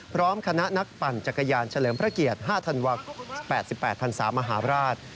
พร้อมคณะนักปั่นจักรยานเฉลิมพระเกียรติ๕๘๘พันศามหาราช